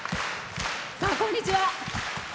こんにちは。